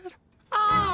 ああ！